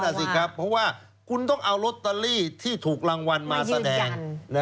สิครับเพราะว่าคุณต้องเอาลอตเตอรี่ที่ถูกรางวัลมาแสดง